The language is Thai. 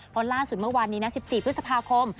เพราะล่าสุดเมื่อวานนี้นะ๑๔พฤษภาคม